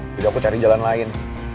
aku cari jalan lain